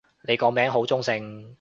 你個名好中性